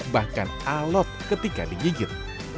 bahkan alot ketika digigit